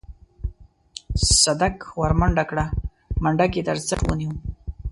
صدک ورمنډه کړه منډک يې تر څټ ونيوه.